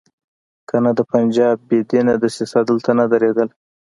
کنه د پنجاب بې دینه دسیسه دلته نه درېدله.